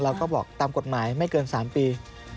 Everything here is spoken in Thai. เราก็บอกตามกฎหมายไม่เกิน๓ปี